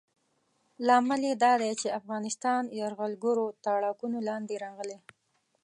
لامل یې دا دی چې افغانستان یرغلګرو تاړاکونو لاندې راغلی.